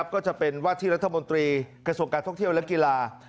ก็จะเป็นว่าที่รัฐมนตรีกระทรวงการท่องเที่ยวและกีฬา